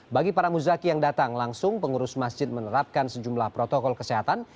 bagi para muzaki yang datang langsung pengurus masjid menerapkan sejumlah protokol kesehatan